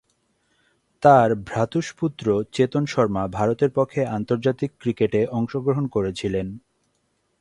তার ভ্রাতুষ্পুত্র চেতন শর্মা ভারতের পক্ষে আন্তর্জাতিক ক্রিকেটে অংশগ্রহণ করেছিলেন।